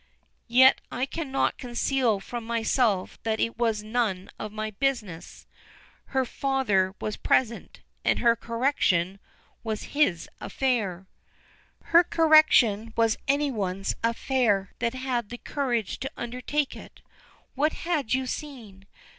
"Yet I cannot conceal from myself that it was none of my business. Her father was present, and her correction was his affair." "Her correction was any one's affair that had the courage to undertake it. What had you seen?